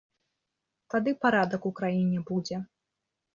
Тады парадак у краіне будзе.